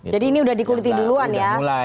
jadi ini udah dikuliti duluan ya